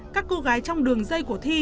các cô gái trong đường dây của thi